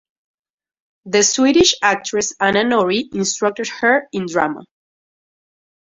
The Swedish actress Anna Norrie instructed her in drama.